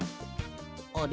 あれ？